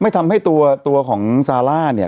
ไม่ทำให้ตัวของซาร่าเนี่ย